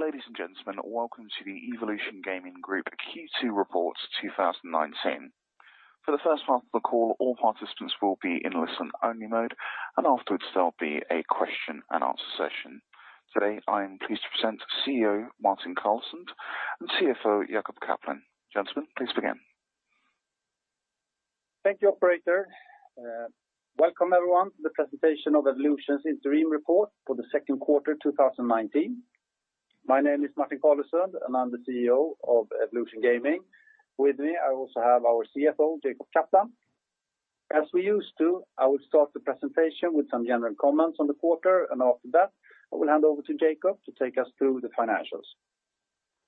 Ladies and gentlemen, welcome to the Evolution Gaming Group Q2 report 2019. For the first part of the call, all participants will be in listen-only mode. Afterwards, there'll be a question and answer session. Today, I am pleased to present CEO Martin Carlesund and CFO Jacob Kaplan. Gentlemen, please begin. Thank you, operator. Welcome everyone to the presentation of Evolution's interim report for the second quarter 2019. My name is Martin Carlesund, and I'm the CEO of Evolution Gaming. With me, I also have our CFO, Jacob Kaplan. As we used to, I will start the presentation with some general comments on the quarter. After that, I will hand over to Jacob to take us through the financials.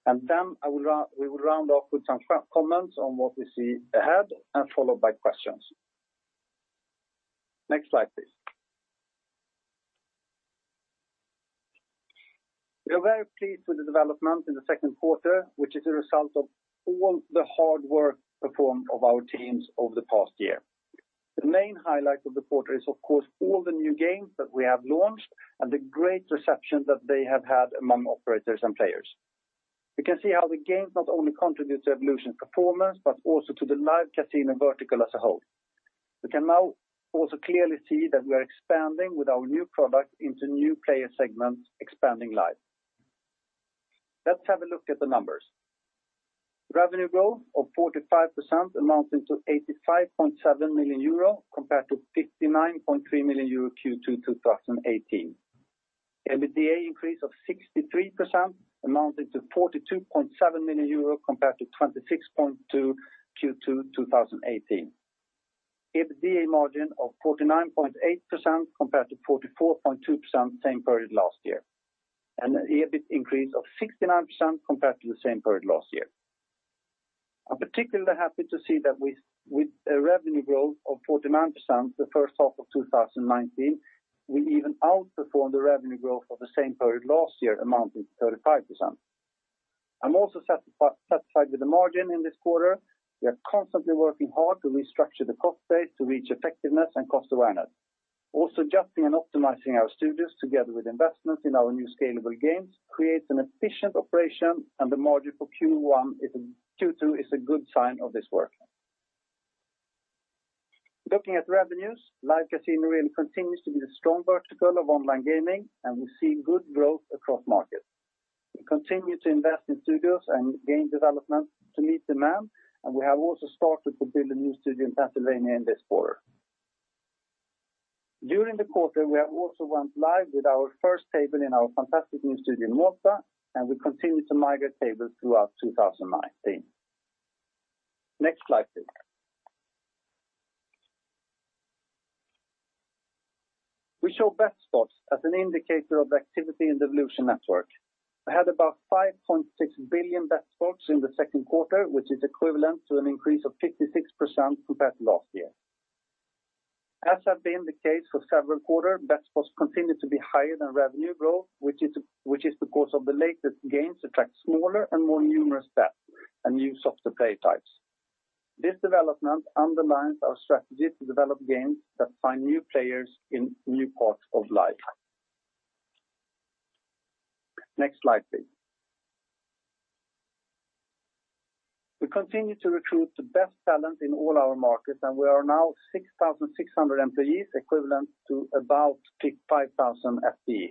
Then we will round off with some comments on what we see ahead and followed by questions. Next slide, please. We are very pleased with the development in the second quarter, which is a result of all the hard work performed of our teams over the past year. The main highlight of the quarter is, of course, all the new games that we have launched and the great reception that they have had among operators and players. We can see how the games not only contribute to Evolution's performance, but also to the Live Casino vertical as a whole. We can now also clearly see that we are expanding with our new product into new player segments, expanding Live. Let's have a look at the numbers. Revenue growth of 45% amounted to 85.7 million euro compared to 59.3 million euro Q2 2018. EBITDA increase of 63% amounted to 42.7 million euros compared to 26.2 million Q2 2018. EBITDA margin of 49.8% compared to 44.2% same period last year. The EBIT increased of 69% compared to the same period last year. I'm particularly happy to see that with a revenue growth of 49% the first half of 2019, we even outperformed the revenue growth of the same period last year, amounting to 35%. I'm also satisfied with the margin in this quarter. We are constantly working hard to restructure the cost base to reach effectiveness and cost awareness. Also adjusting and optimizing our studios together with investments in our new scalable games creates an efficient operation. The margin for Q2 is a good sign of this work. Looking at revenues, Live Casino really continues to be the strong vertical of online gaming. We're seeing good growth across markets. We continue to invest in studios and game development to meet demand. We have also started to build a new studio in Pennsylvania in this quarter. During the quarter, we have also went live with our first table in our fantastic new studio in Malta. We continue to migrate tables throughout 2019. Next slide, please. We show bet spots as an indicator of activity in the Evolution network. We had about 5.6 billion bet spots in the second quarter, which is equivalent to an increase of 56% compared to last year. As has been the case for several quarters, bet spots continued to be higher than revenue growth, which is because of the latest games attract smaller and more numerous bets and use of the play types. This development underlines our strategy to develop games that find new players in new parts of life. Next slide, please. We continue to recruit the best talent in all our markets, and we are now 6,600 employees, equivalent to about 5,000 FTE.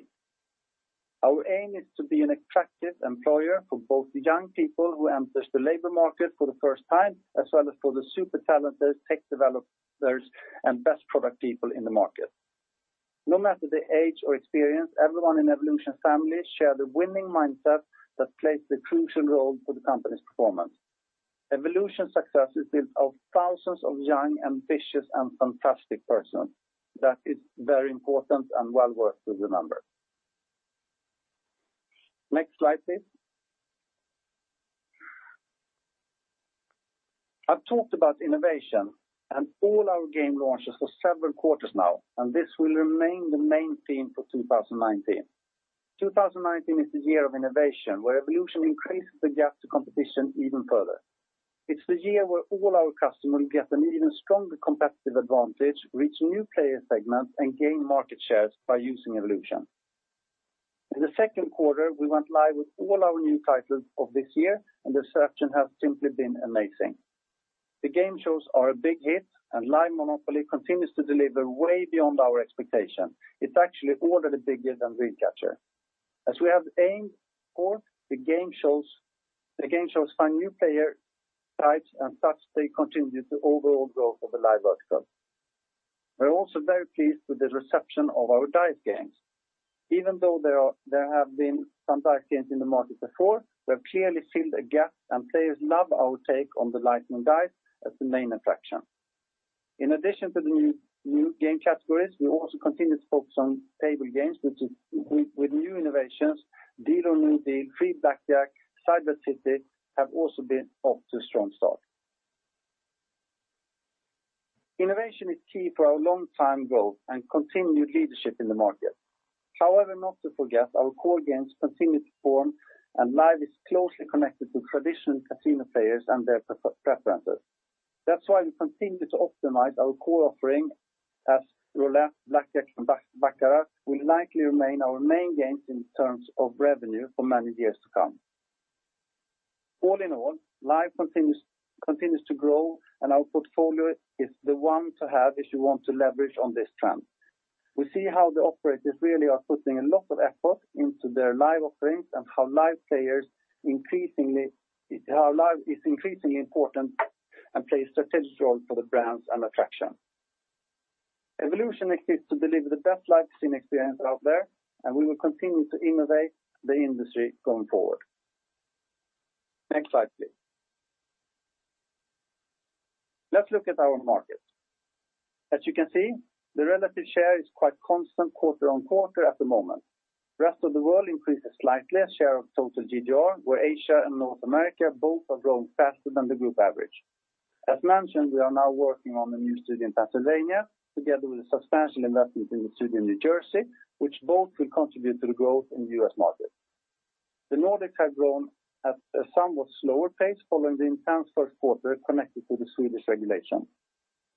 Our aim is to be an attractive employer for both the young people who enters the labor market for the first time, as well as for the super talented tech developers and best product people in the market. No matter the age or experience, everyone in Evolution family share the winning mindset that plays the crucial role for the company's performance. Evolution success is built of thousands of young, ambitious, and fantastic persons. That is very important and well worth the remember. Next slide, please. I've talked about innovation and all our game launches for several quarters now, this will remain the main theme for 2019. 2019 is the year of innovation, where Evolution increases the gap to competition even further. It's the year where all our customers will get an even stronger competitive advantage, reach new player segments, and gain market shares by using Evolution. In the second quarter, we went live with all our new titles of this year, and the reception has simply been amazing. The game shows are a big hit, and MONOPOLY Live continues to deliver way beyond our expectation. It's actually already bigger than Dream Catcher. As we have aimed for, the game shows find new player types, and thus they continue the overall growth of the Live vertical. We're also very pleased with the reception of our dice games. Even though there have been some dice games in the market before, we have clearly filled a gap, and players love our take on the Lightning Dice as the main attraction. In addition to the new game categories, we also continue to focus on table games with new innovations. Deal or No Deal, Free Bet Blackjack, Cyberstud, have also been off to a strong start. Innovation is key for our long-time growth and continued leadership in the market. However, not to forget, our core games continue to perform, and Live is closely connected to traditional casino players and their preferences. That's why we continue to optimize our core offering as roulette, blackjack, and baccarat will likely remain our main games in terms of revenue for many years to come. All in all, Live continues to grow, and our portfolio is the one to have if you want to leverage on this trend. We see how the operators really are putting a lot of effort into their Live offerings and how Live is increasingly important and plays a strategic role for the brands and attraction. Evolution exists to deliver the best Live Casino experience out there, and we will continue to innovate the industry going forward. Next slide, please. Let's look at our market. As you can see, the relative share is quite constant quarter-on-quarter at the moment. Rest of the world increases slightly as share of total GGR, where Asia and North America both are growing faster than the group average. As mentioned, we are now working on a new studio in Pennsylvania, together with a substantial investment in the studio in New Jersey, which both will contribute to the growth in the U.S. market. The Nordics have grown at a somewhat slower pace following the intense first quarter connected to the Swedish regulation.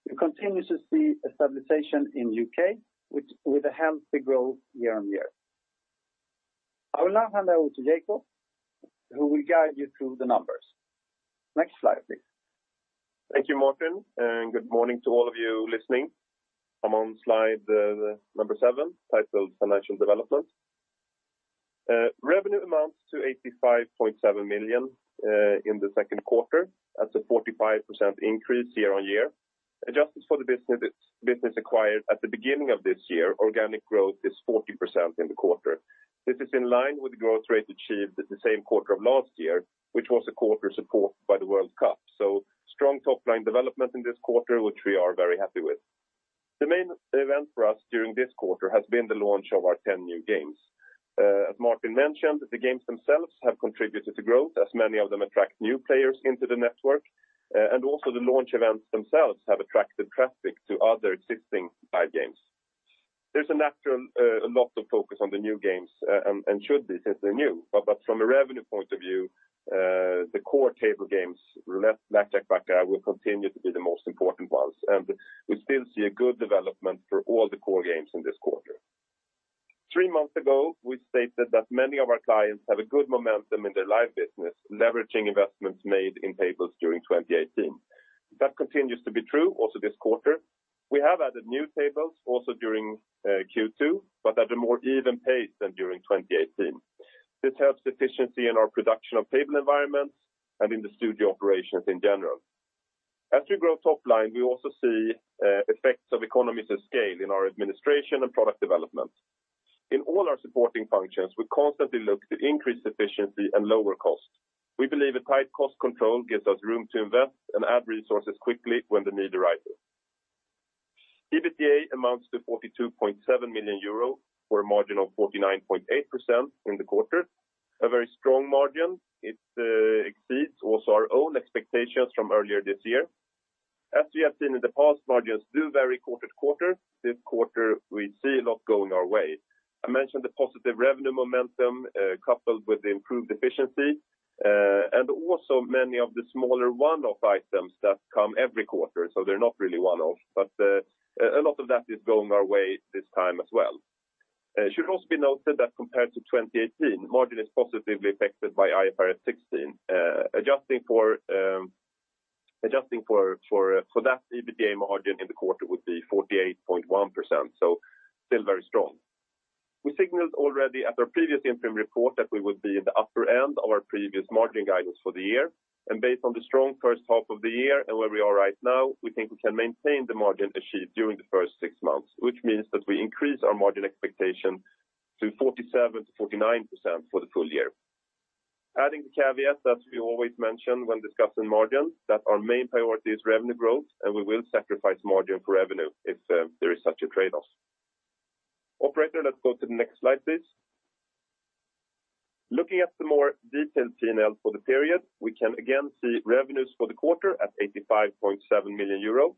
We continue to see a stabilization in U.K. with a healthy growth year-on-year. I will now hand over to Jacob, who will guide you through the numbers. Next slide, please. Thank you, Martin, and good morning to all of you listening. I'm on slide number seven, titled Financial Development. Revenue amounts to 85.7 million in the second quarter. That's a 45% increase year-on-year. Adjusted for the business acquired at the beginning of this year, organic growth is 40% in the quarter. This is in line with the growth rate achieved at the same quarter of last year, which was a quarter supported by the World Cup. Strong top-line development in this quarter, which we are very happy with. The main event for us during this quarter has been the launch of our 10 new games. As Martin mentioned, the games themselves have contributed to growth as many of them attract new players into the network. Also the launch events themselves have attracted traffic to other existing Live games. There's naturally a lot of focus on the new games and should be since they're new. From a revenue point of view, the core table games, roulette, blackjack, baccarat, will continue to be the most important ones. We still see a good development for all the core games in this quarter. Three months ago, we stated that many of our clients have a good momentum in their Live business, leveraging investments made in tables during 2018. That continues to be true also this quarter. We have added new tables also during Q2, but at a more even pace than during 2018. This helps efficiency in our production of table environments and in the studio operations in general. As we grow top line, we also see effects of economies of scale in our administration and product development. In all our supporting functions, we constantly look to increase efficiency and lower costs. We believe a tight cost control gives us room to invest and add resources quickly when the need arises. EBITDA amounts to 42.7 million euro for a margin of 49.8% in the quarter. A very strong margin. It exceeds also our own expectations from earlier this year. As we have seen in the past, margins do vary quarter-to-quarter. This quarter, we see a lot going our way. I mentioned the positive revenue momentum coupled with the improved efficiency, also many of the smaller one-off items that come every quarter, so they're not really one-off, but a lot of that is going our way this time as well. It should also be noted that compared to 2018, margin is positively affected by IFRS 16. Adjusting for that, EBITDA margin in the quarter would be 48.1%, still very strong. We signaled already at our previous interim report that we would be in the upper end of our previous margin guidance for the year. Based on the strong first half of the year and where we are right now, we think we can maintain the margin achieved during the first six months, which means that we increase our margin expectation to 47%-49% for the full year. Adding the caveat that we always mention when discussing margin, that our main priority is revenue growth, and we will sacrifice margin for revenue if there is such a trade-off. Operator, let's go to the next slide, please. Looking at the more detailed P&L for the period, we can again see revenues for the quarter at 85.7 million euro.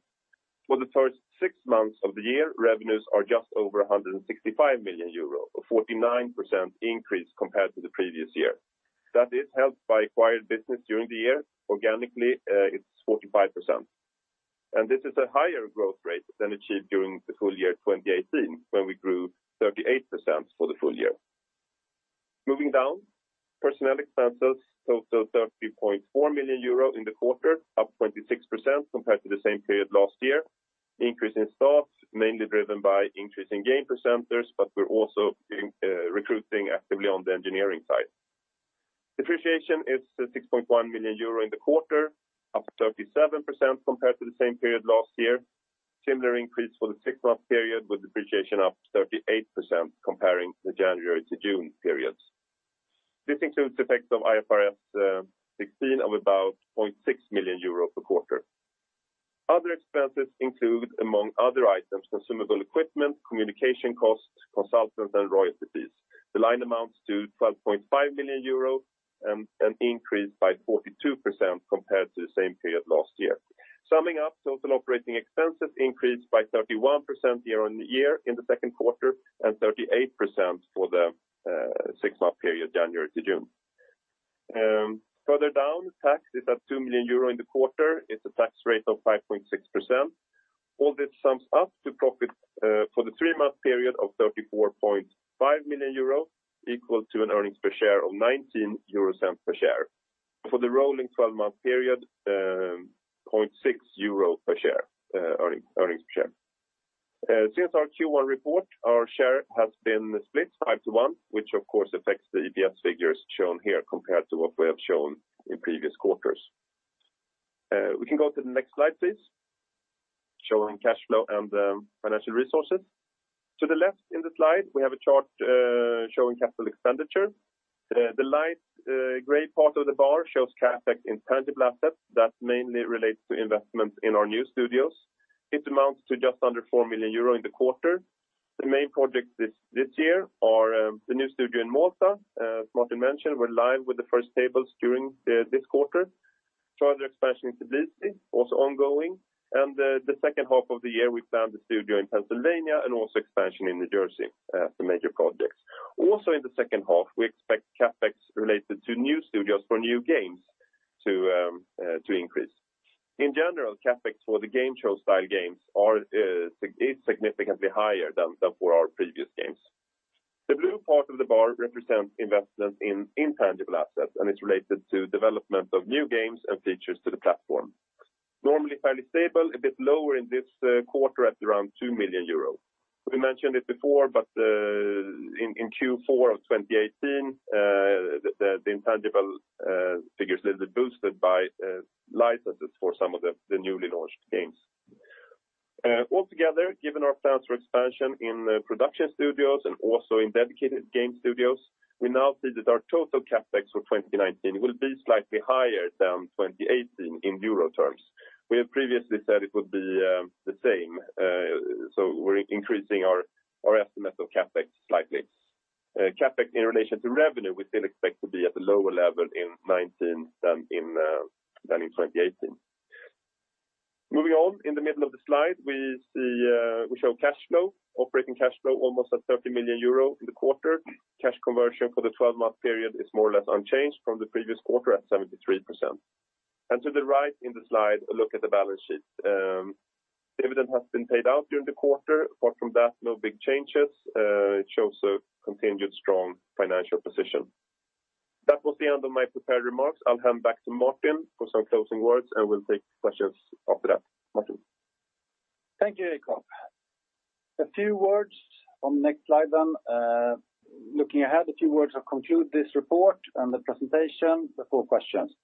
For the first six months of the year, revenues are just over 165 million euro, a 49% increase compared to the previous year. That is helped by acquired business during the year. Organically, it's 45%. This is a higher growth rate than achieved during the full year 2018, when we grew 38% for the full year. Moving down, personnel expenses totaled 30.4 million euro in the quarter, up 26% compared to the same period last year. The increase in staff mainly driven by increase in game presenters, but we're also recruiting actively on the engineering side. Depreciation is 6.1 million euro in the quarter, up 37% compared to the same period last year. Similar increase for the six-month period with depreciation up 38% comparing the January to June periods. This includes effects of IFRS 16 of about 0.6 million euro per quarter. Other expenses include, among other items, consumable equipment, communication costs, consultants, and royalties. The line amounts to 12.5 million euro and an increase by 42% compared to the same period last year. Summing up, total operating expenses increased by 31% year-over-year in the second quarter and 38% for the six-month period January to June. Further down, tax is at 2 million euro in the quarter. It's a tax rate of 5.6%. All this sums up to profit for the three-month period of 34.5 million euro, equal to an earnings per share of 19 euro per share. For the rolling 12-month period, 0.6 euro per share, earnings per share. Since our Q1 report, our share has been split 5 to 1, which of course affects the EPS figures shown here compared to what we have shown in previous quarters. We can go to the next slide, please. Showing cash flow and financial resources. To the left in the slide, we have a chart showing capital expenditure. The light gray part of the bar shows CapEx in tangible assets that mainly relates to investments in our new studios. It amounts to just under 4 million euro in the quarter. The main projects this year are the new studio in Malta. As Martin mentioned, we're live with the first tables during this quarter. Further expansion in Tbilisi, also ongoing. The second half of the year, we found a studio in Pennsylvania and also expansion in New Jersey, the major projects. Also in the second half, we expect CapEx related to new studios for new games to increase. In general, CapEx for the game show style games is significantly higher than for our previous games. The blue part of the bar represents investment in intangible assets. It's related to development of new games and features to the platform. Normally fairly stable, a bit lower in this quarter at around 2 million euros. In Q4 of 2018, the intangible figures little boosted by licenses for some of the newly launched games. Altogether, given our plans for expansion in production studios and also in dedicated game studios, we now see that our total CapEx for 2019 will be slightly higher than 2018 in EUR terms. We have previously said it would be the same. We're increasing our estimate of CapEx slightly. CapEx in relation to revenue, we still expect to be at a lower level in 2019 than in 2018. Moving on, in the middle of the slide, we show cash flow. Operating cash flow almost at 30 million euro in the quarter. Cash conversion for the 12-month period is more or less unchanged from the previous quarter at 73%. To the right in the slide, a look at the balance sheet. Dividend has been paid out during the quarter. Apart from that, no big changes. It shows a continued strong financial position. That was the end of my prepared remarks. I'll hand back to Martin for some closing words, and we'll take questions after that. Martin? Thank you, Jacob. A few words on the next slide. Looking ahead, a few words to conclude this report and the presentation before questions.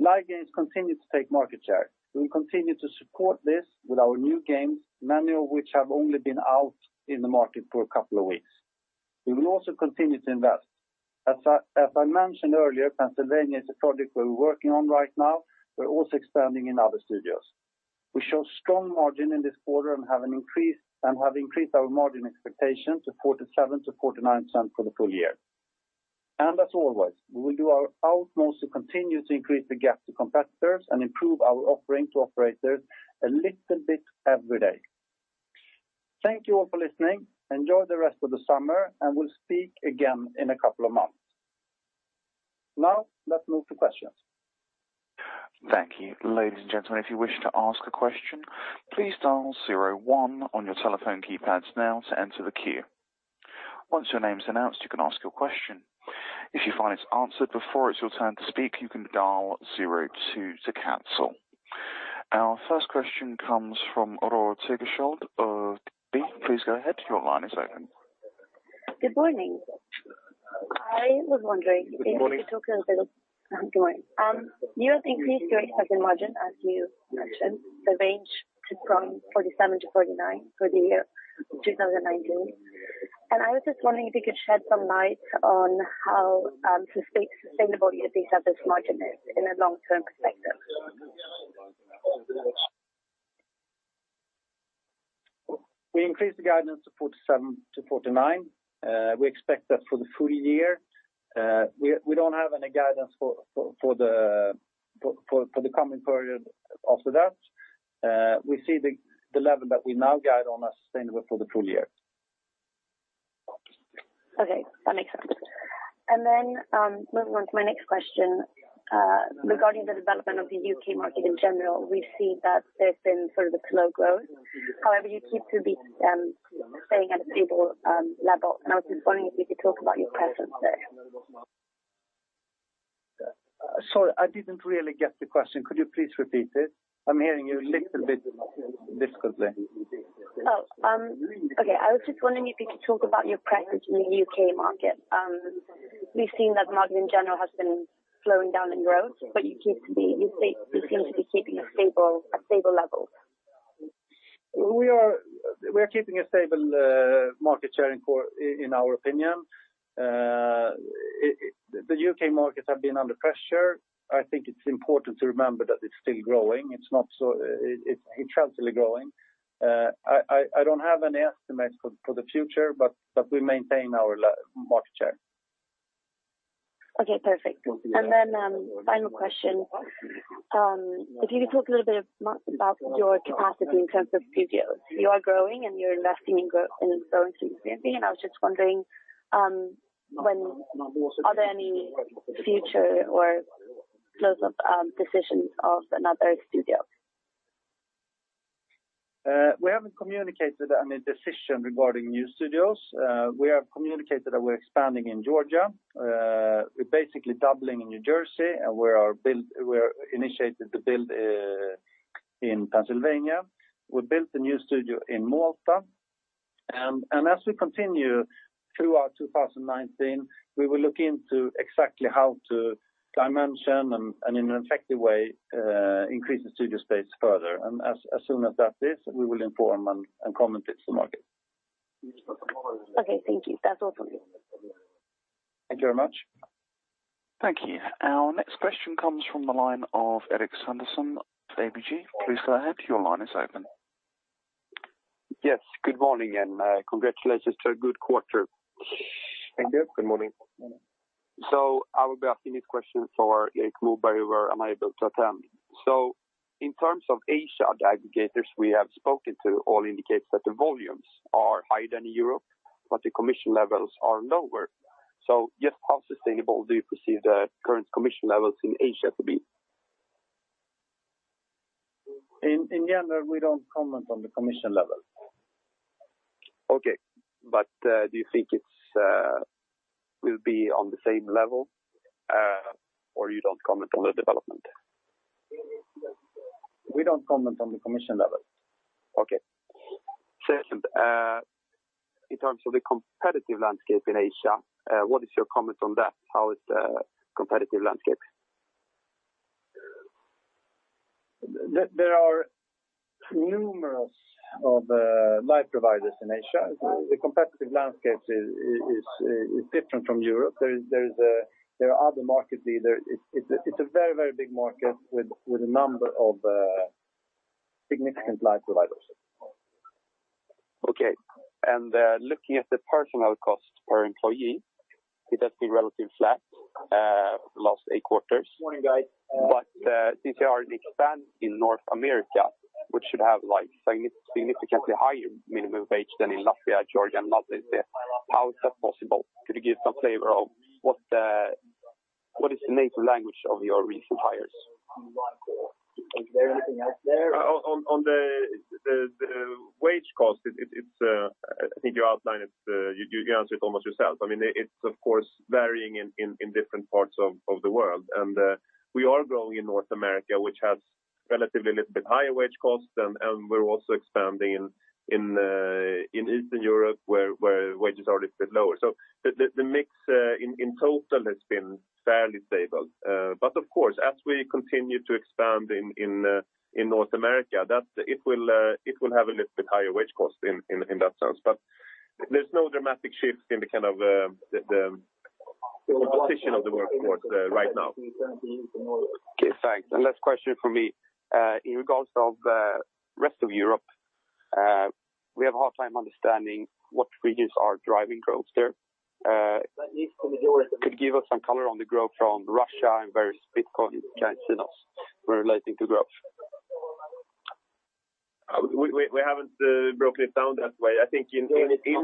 Live games continue to take market share. We will continue to support this with our new games, many of which have only been out in the market for a couple of weeks. We will also continue to invest. As I mentioned earlier, Pennsylvania is a project we're working on right now. We're also expanding in other studios. We show strong margin in this quarter and have increased our margin expectation to 0.47-0.49 for the full year. As always, we will do our utmost to continue to increase the gap to competitors and improve our offering to operators a little bit every day. Thank you all for listening. Enjoy the rest of the summer, and we'll speak again in a couple of months. Now, let's move to questions. Thank you. Ladies and gentlemen, if you wish to ask a question, please dial 01 on your telephone keypads now to enter the queue. Once your name's announced, you can ask your question. If you find it's answered before it's your turn to speak, you can dial 02 to cancel. Our first question comes from Aurora Tegeliksdottir of D. Please go ahead. Your line is open. Good morning. I was wondering- Good morning Good morning. You have increased your EBITDA margin, as you mentioned, the range from 47% to 49% for the year 2019, I was just wondering if you could shed some light on how sustainable you think that this margin is in a long-term perspective. We increased the guidance to 47-49. We expect that for the full year. We don't have any guidance for the coming period after that. We see the level that we now guide on as sustainable for the full year. Okay, that makes sense. Moving on to my next question. Regarding the development of the U.K. market in general, we see that there's been sort of a slow growth. However, you keep to be staying at a stable level, I was just wondering if you could talk about your presence there. Sorry, I didn't really get the question. Could you please repeat it? I'm hearing you a little bit difficult there. Oh, okay. I was just wondering if you could talk about your presence in the U.K. market. We've seen that market in general has been slowing down in growth, you seem to be keeping a stable level. We are keeping a stable market share in our opinion. The U.K. markets have been under pressure. I think it's important to remember that it's still growing. It's steadily growing. I don't have any estimates for the future, but we maintain our market share. Okay, perfect. Then, final question. If you could talk a little bit about your capacity in terms of studios. You are growing, and you're investing in growth and so and so. I was just wondering, are there any future or close-up decisions of another studio. We haven't communicated any decision regarding new studios. We have communicated that we're expanding in Georgia. We're basically doubling in New Jersey, and we have initiated the build in Pennsylvania. We built a new studio in Malta. As we continue throughout 2019, we will look into exactly how to dimension and, in an effective way, increase the studio space further. As soon as that's it, we will inform and comment it to the market. Okay, thank you. That's all for me. Thank you very much. Thank you. Our next question comes from the line of Erik Sanderson, ABG. Please go ahead. Your line is open. Yes, good morning. Congratulations to a good quarter. Thank you. Good morning. I will be asking this question for am I able to attend. In terms of Asia, the aggregators we have spoken to all indicate that the volumes are higher than Europe, but the commission levels are lower. Just how sustainable do you perceive the current commission levels in Asia to be? In general, we don't comment on the commission level. Okay. Do you think it will be on the same level? You don't comment on the development? We don't comment on the commission level. Okay. Second, in terms of the competitive landscape in Asia, what is your comment on that? How is the competitive landscape? There are numerous live providers in Asia. The competitive landscape is different from Europe. There are other market leaders. It's a very big market with a number of significant live providers. Okay. Looking at the personal cost per employee, it has been relatively flat last eight quarters. Since you already expand in North America, which should have significantly higher minimum wage than in Latvia, Georgia, and Malta, how is that possible? Could you give some flavor of what is the native language of your recent hires? On the wage cost, I think you answered it almost yourself. It's of course varying in different parts of the world. We are growing in North America, which has relatively a little bit higher wage cost, and we're also expanding in Eastern Europe, where wages are a little bit lower. The mix in total has been fairly stable. Of course, as we continue to expand in North America, it will have a little bit higher wage cost in that sense. There's no dramatic shift in the composition of the workforce right now. Okay, thanks. Last question from me. In regards of the rest of Europe, we have a hard time understanding what regions are driving growth there. Could you give us some color on the growth from Russia and various Bitcoin casinos relating to growth? We haven't broken it down that way. I think in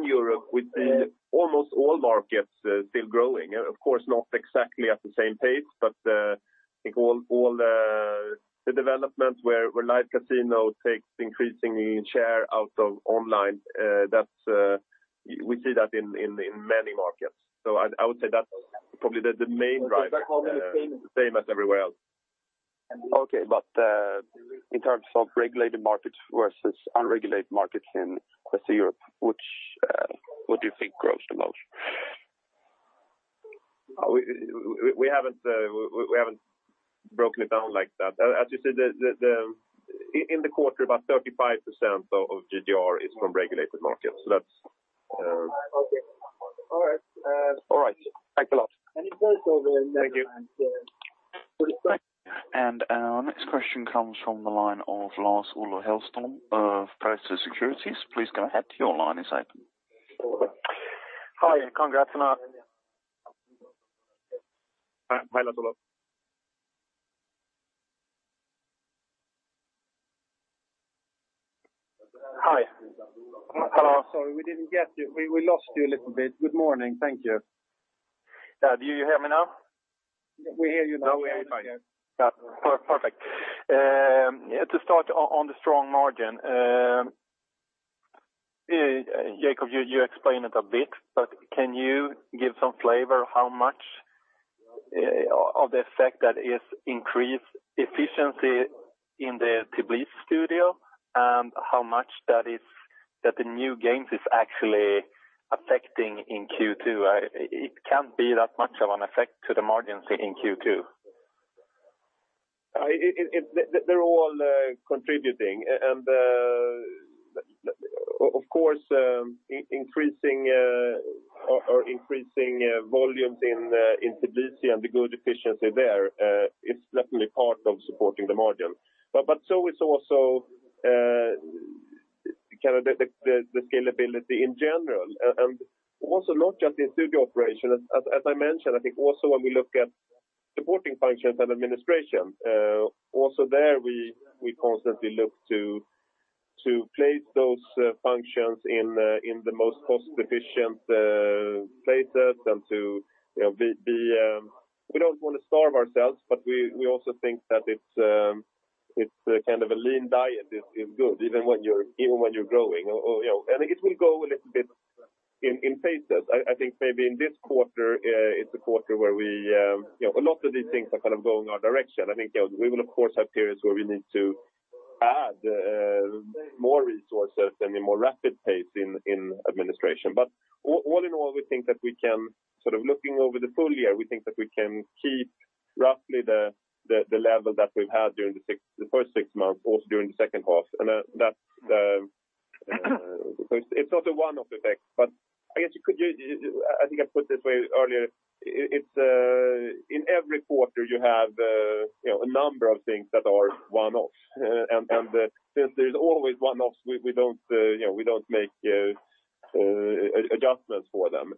Europe, we see almost all markets still growing. Of course, not exactly at the same pace, but I think all the development where Live Casino takes increasing share out of online, we see that in many markets. I would say that's probably the main driver, same as everywhere else. Okay. In terms of regulated markets versus unregulated markets in, let's say Europe, what do you think grows the most? We haven't broken it down like that. As you said, in the quarter, about 35% of GGR is from regulated markets. Okay. All right. All right. Thanks a lot. Thank you. Our next question comes from the line of Lars-Ola Hellström of Pareto Securities. Please go ahead. Your line is open. Hi, congrats. Hi. Hello. Sorry, we lost you a little bit. Good morning. Thank you. Do you hear me now? We hear you now. Perfect. To start on the strong margin. Jacob, you explained it a bit, but can you give some flavor how much of the effect that is increased efficiency in the Tbilisi studio, and how much that the new games is actually affecting in Q2? It can't be that much of an effect to the margins in Q2. They're all contributing. Of course, increasing volumes in Tbilisi and the good efficiency there, it's definitely part of supporting the margin. It's also the scalability in general, and also not just in studio operation. As I mentioned, I think also when we look at supporting functions and administration, also there we constantly look to place those functions in the most cost-efficient places. We don't want to starve ourselves, but we also think that it's a lean diet is good even when you're growing. It will go a little bit in phases. I think maybe in this quarter, it's a quarter where a lot of these things are going our direction. I think we will of course have periods where we need to add more resources and a more rapid pace in administration. All in all, we think that we can, looking over the full year, we think that we can keep roughly the level that we've had during the first six months, also during the second half. That it's not a one-off effect, but I guess you could, I think I put it this way earlier. In every quarter, you have a number of things that are one-offs, and since there's always one-offs, we don't make adjustments for them.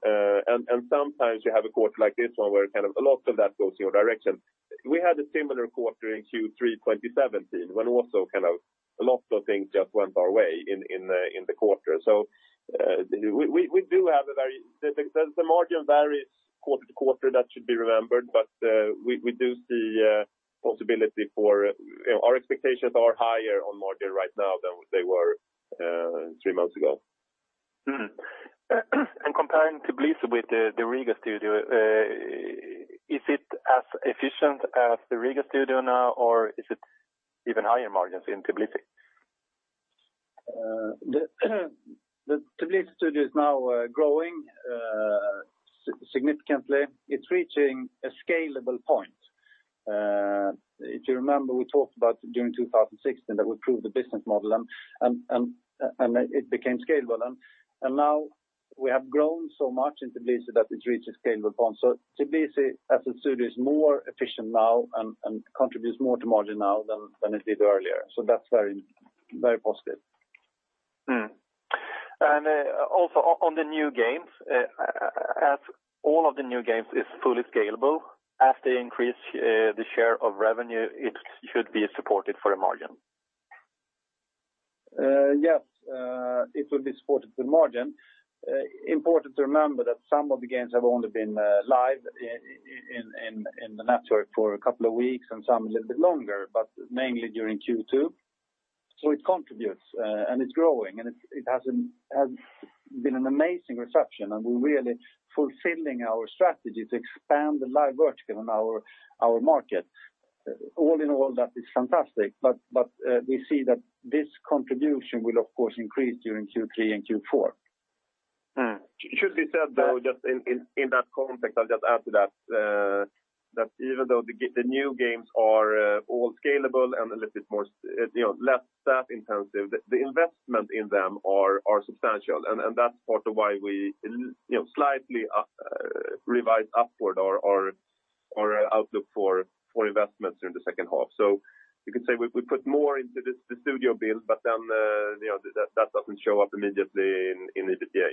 Sometimes you have a quarter like this one where a lot of that goes in your direction. We had a similar quarter in Q3 2017 when also a lot of things just went our way in the quarter. We do have the margin varies quarter to quarter, that should be remembered. We do see our expectations are higher on margin right now than they were three months ago. Comparing Tbilisi with the Riga studio, is it as efficient as the Riga studio now, or is it even higher margins in Tbilisi? The Tbilisi studio is now growing significantly. It's reaching a scalable point. If you remember, we talked about during 2016 that we proved the business model and it became scalable. Now we have grown so much in Tbilisi that it's reached a scalable point. Tbilisi as a studio is more efficient now and contributes more to margin now than it did earlier. That's very positive. Also on the new games, as all of the new games is fully scalable as they increase the share of revenue, it should be supported for a margin. Yes, it will be supported for margin. Important to remember that some of the games have only been live in the network for a couple of weeks and some a little bit longer, but mainly during Q2. It contributes, and it's growing, and it has been an amazing reception, and we're really fulfilling our strategy to expand the live vertical in our market. All in all, that is fantastic. We see that this contribution will, of course, increase during Q3 and Q4. It should be said, though, just in that context, I'll just add to that even though the new games are all scalable and a little bit less staff-intensive, the investment in them are substantial, and that's part of why we slightly revise upward our outlook for investments during the second half. You could say we put more into the studio build, that doesn't show up immediately in EBITDA.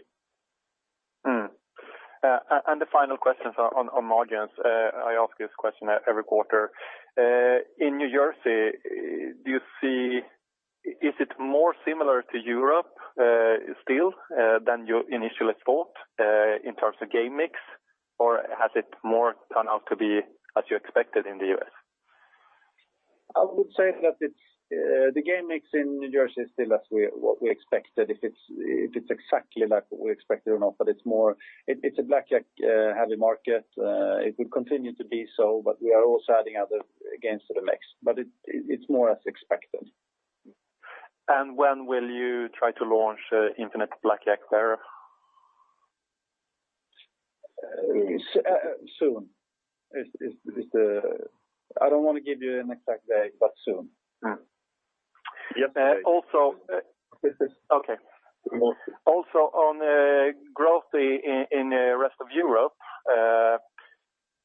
The final question on margins. I ask this question every quarter. In New Jersey, is it more similar to Europe still, than you initially thought in terms of game mix, or has it more turned out to be as you expected in the U.S.? I would say that the game mix in New Jersey is still as what we expected. If it's exactly like what we expected or not, but it's a blackjack-heavy market. It will continue to be so, but we are also adding other games to the mix, but it's more as expected. When will you try to launch Infinite Blackjack there? Soon. I don't want to give you an exact date, but soon. Also- This is- Okay. Go on. Also on growth in the rest of Europe,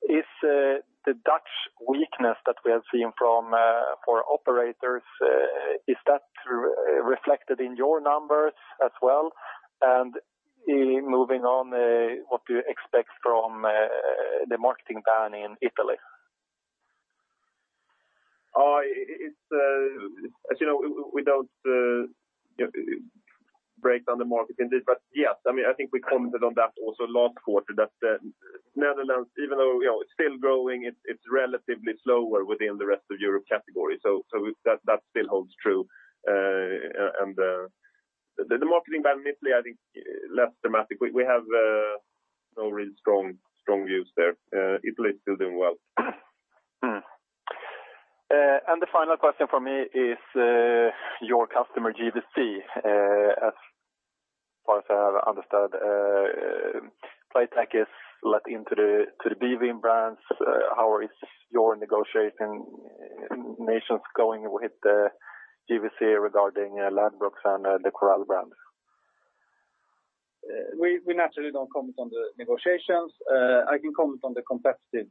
is the Dutch weakness that we have seen from operators, is that reflected in your numbers as well? Moving on, what do you expect from the marketing ban in Italy? As you know, we don't break down the market in this, but yes. I think I commented on that also last quarter, that Netherlands, even though it's still growing, it's relatively slower within the rest of Europe category. That still holds true. The marketing ban in Italy, I think less dramatic. We have no really strong views there. Italy is still doing well. The final question from me is your customer, GVC, as far as I have understood, Playtech is let into the bwin brands. How is your negotiations going with GVC regarding Ladbrokes and the Coral brands? We naturally don't comment on the negotiations. I can comment on the competitive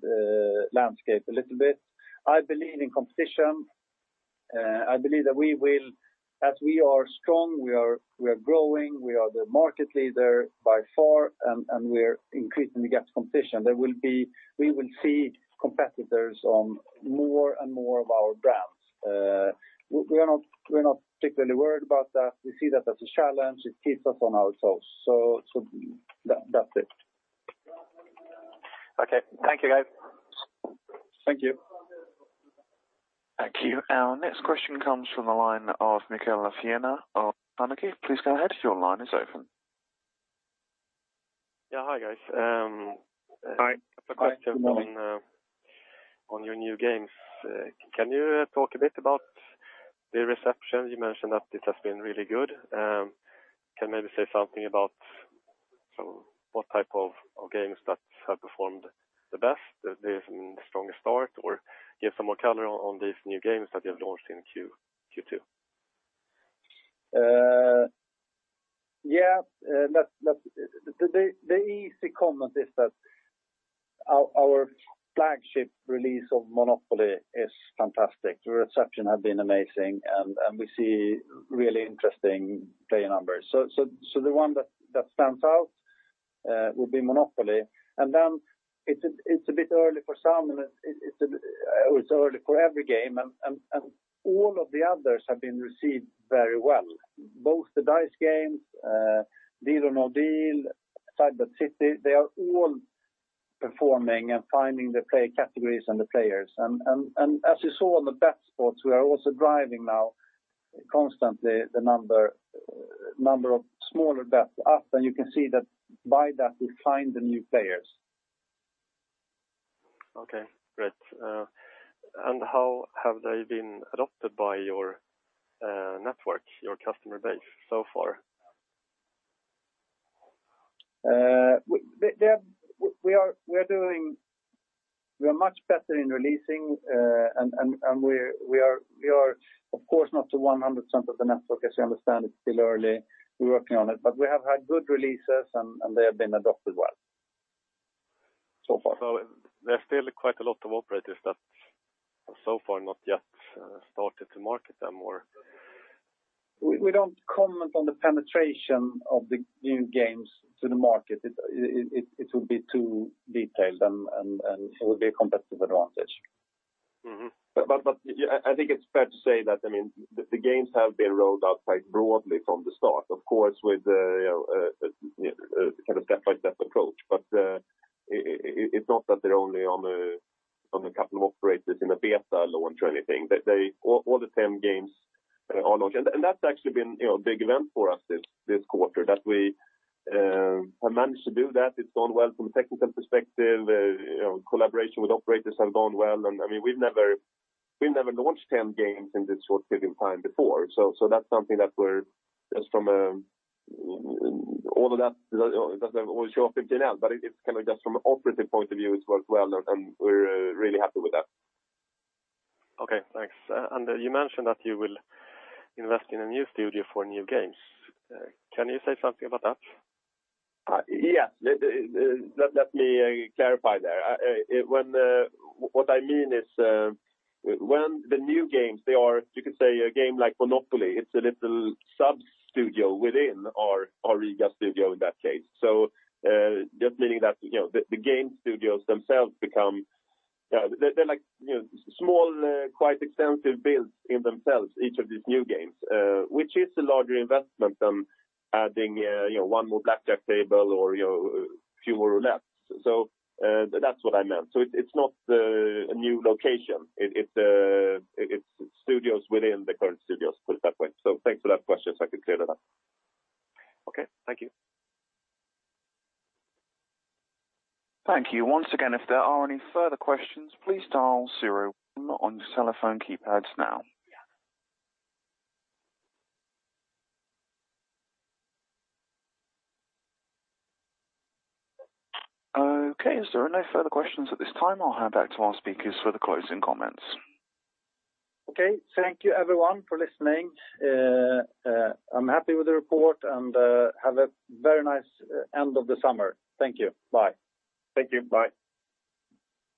landscape a little bit. I believe in competition. I believe that we will, as we are strong, we are growing, we are the market leader by far, and we are increasingly getting competition. We will see competitors on more and more of our brands. We're not particularly worried about that. We see that as a challenge. It keeps us on our toes. That's it. Okay. Thank you, guys. Thank you. Thank you. Our next question comes from the line of Mikael Lafarena of Bank of America. Please go ahead. Your line is open. Yeah. Hi, guys. Hi. A couple questions on your new games. Can you talk a bit about the reception? You mentioned that it has been really good. Can you maybe say something about what type of games that have performed the best, gave the strongest start, or give some more color on these new games that you have launched in Q2? Yeah. The easy comment is that our flagship release of Monopoly is fantastic. The reception has been amazing, and we see really interesting player numbers. The one that stands out would be Monopoly. Then it's a bit early for some, and it's early for every game, and all of the others have been received very well. Both the dice games, Deal or No Deal, Cyberstud, they are all performing and finding the player categories and the players. As you saw on the bet spots, we are also driving now constantly the number of smaller bets up, and you can see that by that we find the new players. Okay, great. How have they been adopted by your network, your customer base so far? We are much better in releasing, and we are of course not to 100% of the network as you understand it's still early. We're working on it, but we have had good releases and they have been adopted well so far. There's still quite a lot of operators that so far not yet started to market them, or? We don't comment on the penetration of the new games to the market. It would be too detailed, and it would be a competitive advantage. I think it's fair to say that, the games have been rolled out quite broadly from the start, of course, with a kind of step-by-step approach. It's not that they're only on a couple of operators in a beta launch or anything. All the 10 games are launched. That's actually been a big event for us this quarter that we have managed to do that. It's gone well from a technical perspective. Collaboration with operators have gone well. We've never launched 10 games in this short period of time before. That's something that we're, just from all of that, doesn't always show up in the P&L, but it's kind of just from an operating point of view, it's worked well, and we're really happy with that. Okay, thanks. You mentioned that you will invest in a new studio for new games. Can you say something about that? Yeah. Let me clarify there. What I mean is, when the new games, they are, you could say a game like Monopoly, it's a little sub-studio within our Riga studio in that case. Just meaning that the game studios themselves become small, quite extensive builds in themselves, each of these new games, which is a larger investment than adding one more blackjack table or a few more roulettes. That's what I meant. It's not a new location. It's studios within the current studios, put it that way. Thanks for that question, so I could clear that up. Okay. Thank you. Thank you. Once again, if there are any further questions, please dial zero on your telephone keypads now. Okay. As there are no further questions at this time, I'll hand back to our speakers for the closing comments. Okay. Thank you everyone for listening. I'm happy with the report, and have a very nice end of the summer. Thank you. Bye. Thank you. Bye.